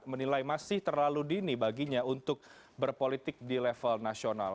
menilai masih terlalu dini baginya untuk berpolitik di level nasional